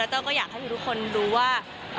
เต้าก็อยากให้ทุกคนรู้ว่า